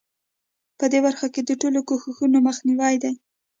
په دې برخه کې د ټولو کوښښونو مخنیوی دی.